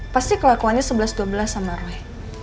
pasti kelakuannya sebelas dua belas sama roh